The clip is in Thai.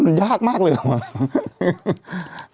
มันยากมากเลยหรือเปล่า